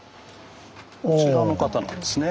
こちらの方なんですね。